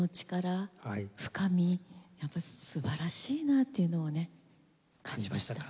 やっぱり素晴らしいなっていうのをね感じました。